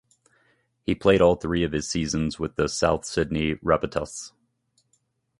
He played all three of his seasons with the South Sydney Rabbitohs.